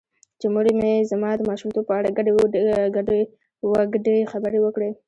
چې مور مې زما د ماشومتوب په اړه ګډې وګډې خبرې وکړې .